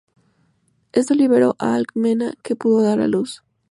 Esto liberó a Alcmena, que pudo dar a luz.